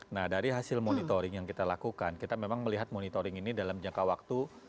nah dari hasil monitoring yang kita lakukan kita memang melihat monitoring ini dalam jangka waktu